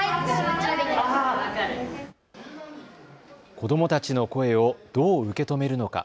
子どもたちの声をどう受け止めるのか。